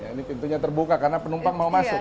ini pintunya terbuka karena penumpang mau masuk